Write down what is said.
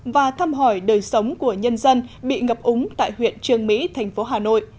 và thăm hỏi đời sống của nhân dân bị ngập úng tại huyện trường mỹ thành phố hà nội